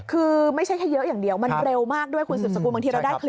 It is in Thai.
คือไม่ใช่เยอะอย่างเดียวมันเร็วมากด้วยคุณศูนย์สกุล